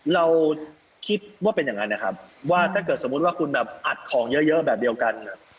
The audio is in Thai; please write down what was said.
เราคิดว่าเป็นอย่างนั้นนะครับว่าถ้าเกิดสมมุติว่าคุณแบบอัดของเยอะแบบเดียวกัน